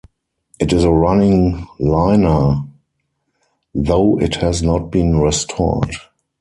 It is a running liner though it has not been restored.